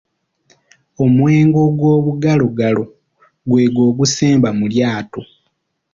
Omwenge ogwobugalogalo gwegwo ogusemba mu lyato.